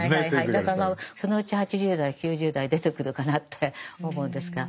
だからそのうち８０代９０代出てくるかなって思うんですが。